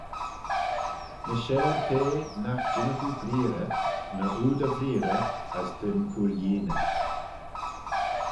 Ny share te, nagh jinnagh oo breearrey, na oo dy vreearrey, as dyn cooilleeney.